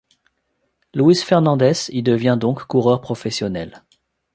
Luís Fernandes y devient donc coureur professionnel.